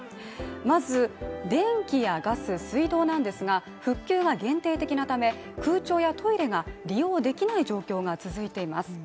まず、電気やガス、水道なんですが、復旧が限定的なため、空調やトイレが利用できない状況が続いています。